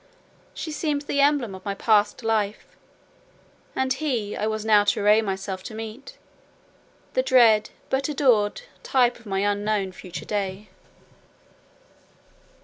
She seemed the emblem of my past life; and he, I was now to array myself to meet, the dread, but adored, type of my unknown future day.